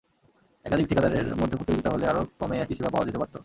একাধিক ঠিকাদারের মধ্যে প্রতিযোগিতা হলে আরও কমে একই সেবা পাওয়া যেতে পারত।